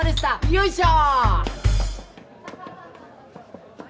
よいしょ。